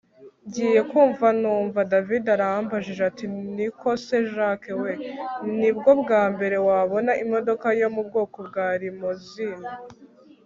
ngiye kumva numva david arambajije ati niko se jack we! nibwo bwambere wabona imodoka yo mubwoko bwa rimozini